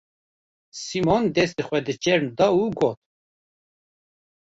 Sîmon destê xwe di çerm da û got: